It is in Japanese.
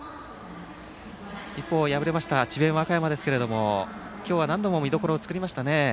一方、敗れた智弁和歌山ですが今日は何度も見どころを作りましたね。